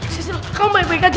sisi lo kamu baik baik aja